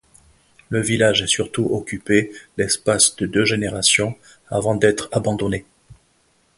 Le village est surtout occupé l'espace de deux générations avant d'être abandonné.